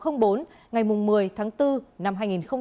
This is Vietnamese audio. ngày một mươi tháng bốn năm hai nghìn một mươi hai